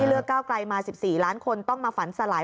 เลือกก้าวไกลมา๑๔ล้านคนต้องมาฝันสลาย